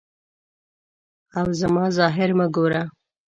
او زما ظاهر مه ګوره.